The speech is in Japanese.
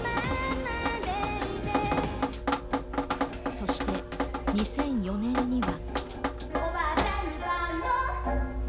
そして２００４年には。